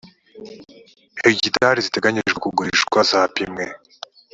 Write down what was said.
hegitari ziteganyijwe kugurishwa zapimwe